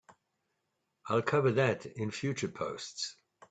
I'll cover that in future posts!